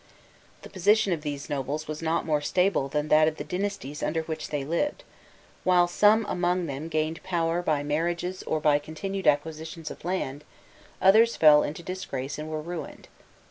The position of these nobles was not more stable than that of the dynasties under which they lived: while some among them gained power by marriages or by continued acquisitions of land, others fell into disgrace and were ruined.